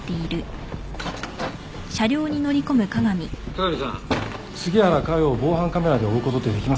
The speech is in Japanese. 加賀美さん杉原佳代を防犯カメラで追うことってできますか？